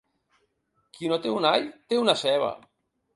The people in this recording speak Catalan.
Qui no té un all té una ceba.